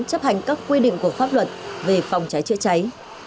chấp hành các quy định của pháp luật về phòng cháy chữa cháy